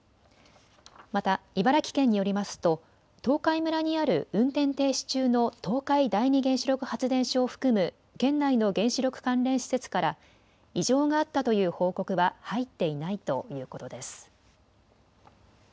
また茨城県によりますと東海村にある運転停止中の東海第二原子力発電所を含む県内の原子力関連施設から異常があったという報告は入っていないということです。